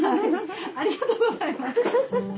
ありがとうございます。